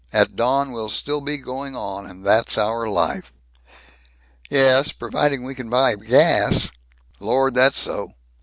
At dawn, we'll still be going on. And that's our life." "Ye es, providing we can still buy gas." "Lord, that's so."